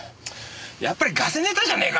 やっぱりガセネタじゃねえか！